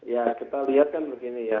ya kita lihatkan begini ya